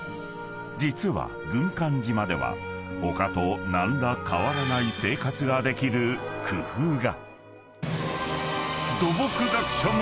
［実は軍艦島では他と何ら変わらない生活ができる工夫が］